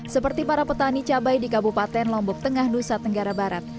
seperti para petani cabai di kabupaten lombok tengah nusa tenggara barat